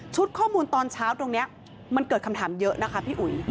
ข้อมูลตอนเช้าตรงนี้มันเกิดคำถามเยอะนะคะพี่อุ๋ย